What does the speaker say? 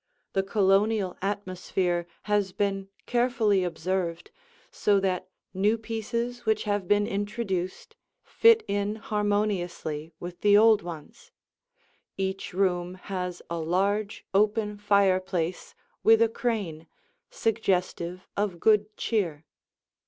The Colonial atmosphere has been carefully observed, so that new pieces which have been introduced fit in harmoniously with the old ones. Each room has a large, open fireplace with a crane, suggestive of good cheer.